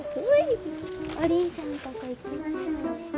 おりんさんとこ行きましょうね。